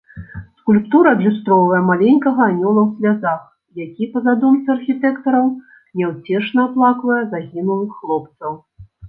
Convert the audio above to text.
Скульптура адлюстроўвае маленькага анёла ў слязах, які, па задумцы архітэктараў, няўцешна аплаквае загінулых хлопцаў.